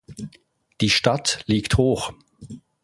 Die Stadt liegt hoch.